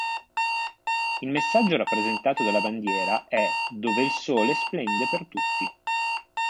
Il messaggio rappresentato dalla bandiera è "dove il sole splende per tutti".